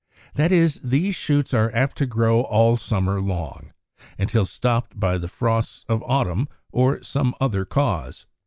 That is, these shoots are apt to grow all summer long, until stopped by the frosts of autumn or some other cause.